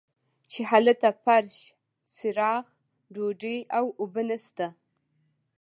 چې هلته فرش چراغ ډوډۍ او اوبه نشته.